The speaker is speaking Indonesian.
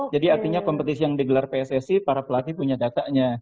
jadi artinya kompetisi yang digelar pssi para pelatih punya datanya